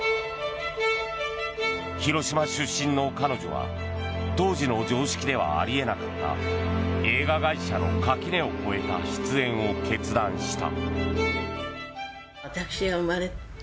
広島出身の彼女は当時の常識ではあり得なかった映画会社の垣根を越えた出演を決断した。